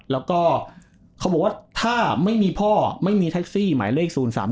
แล้วก็เขาบอกว่าถ้าไม่มีพ่อไม่มีแท็กซี่หมายเลข๐๓๓